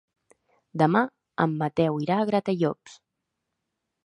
Demà en Mateu irà a Gratallops.